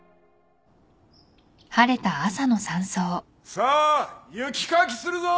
さあ雪かきするぞ！